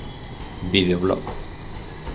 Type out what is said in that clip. Videoblog.